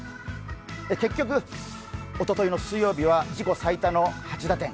結局、おとといの水曜日は自己最多の８打点。